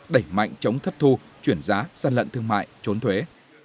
đẩy mạnh chống thất thu chuyển giá gian lận thương mại trốn thuế